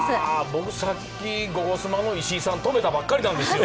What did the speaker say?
僕、さっき、「ゴゴスマ」の石井さん、止めたばっかりなんですよ。